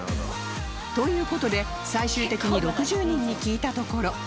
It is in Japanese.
という事で最終的に６０人に聞いたところ